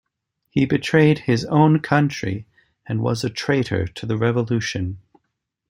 He betrayed his own country and was a traitor to the revolution.